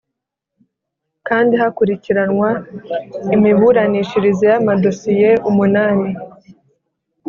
kandi hakurikiranwa imiburanishirize y’amadosiye umunani